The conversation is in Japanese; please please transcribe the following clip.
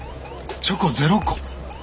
チョコゼロ個！